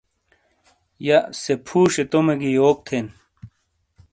یا سے فُوشئیے تومے گی یوک تھین